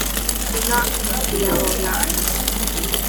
Do not cross the yellow line.